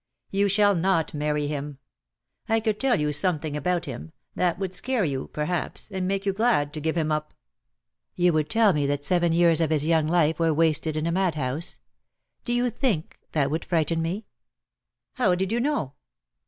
You shall not marry him. I could tell you something about him — that would scare you, perhaps, and make you glad to give him up." "You would tell me that seven years of his young life were wasted in a mad house. Do you think that would frighten me?" :.;. "How did you know?"